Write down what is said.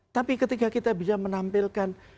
tapi ketika kita bisa menampilkan